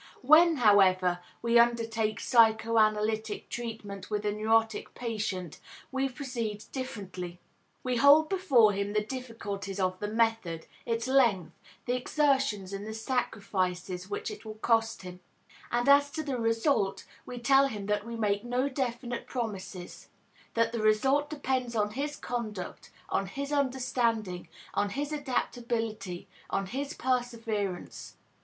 When, however, we undertake psychoanalytic treatment with a neurotic patient we proceed differently. We hold before him the difficulties of the method, its length, the exertions and the sacrifices which it will cost him; and, as to the result, we tell him that we make no definite promises, that the result depends on his conduct, on his understanding, on his adaptability, on his perseverance.